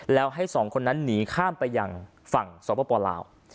แล้วให้สองคนหนีข้ามไปยังฝั่งสวพบัวล้าว